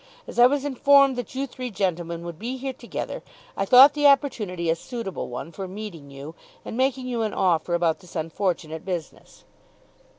As I was informed that you three gentlemen would be here together, I thought the opportunity a suitable one for meeting you and making you an offer about this unfortunate business."